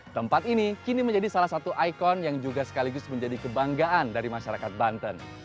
tempat ini kini menjadi salah satu ikon yang juga sekaligus menjadi kebanggaan dari masyarakat banten